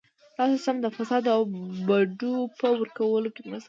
دا سیستم د فساد او بډو په ورکولو کې مرسته کوي.